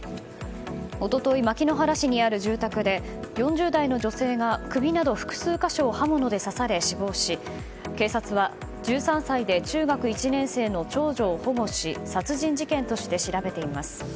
一昨日、牧之原市にある住宅で４０代の女性が首など複数箇所を刃物で刺され死亡し警察は、１３歳で中学１年生の長女を保護し殺人事件として調べています。